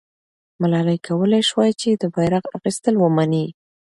ملالۍ کولای سوای چې د بیرغ اخیستل ومني.